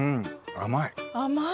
甘い！